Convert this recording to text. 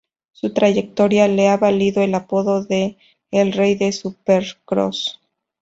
Su trayectoria le ha valido el apodo de "El Rey del Supercross".